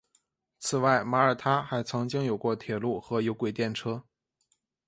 此外马尔他还曾经有过铁路和有轨电车。